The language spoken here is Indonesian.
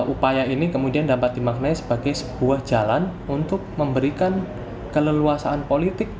upaya ini kemudian dapat dimaknai sebagai sebuah jalan untuk memberikan keleluasaan politik